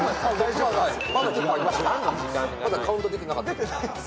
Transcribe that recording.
まだカウント出てなかった。